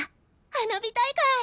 花火大会。